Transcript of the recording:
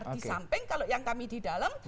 di samping kalau yang kami di dalam